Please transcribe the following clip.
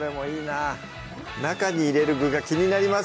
中に入れる具が気になります